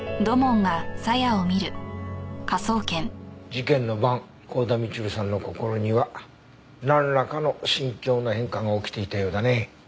事件の晩幸田みちるさんの心にはなんらかの心境の変化が起きていたようだね。